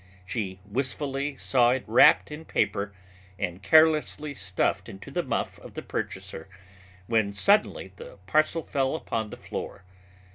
She wistfully saw it wrapped in paper and carelessly stuffed into the muff of the purchaser, when suddenly the parcel fell upon the floor.